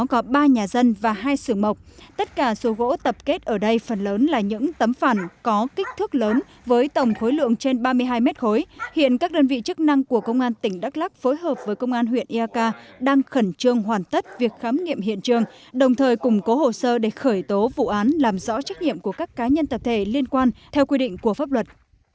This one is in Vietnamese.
có ba nhà dân và hai xưởng mộc tất cả số gỗ tập kết ở đây phần lớn là những tấm phản có kích thước lớn với tổng khối lượng trên ba mươi hai mét khối hiện các đơn vị chức năng của công an tỉnh đắk lắc phối hợp với công an huyện yaka đang khẩn trương hoàn tất việc khám nghiệm hiện trường đồng thời củng cố hồ sơ để khởi tố vụ án làm rõ trách nhiệm của các cá nhân tập thể liên quan theo quy định của pháp luật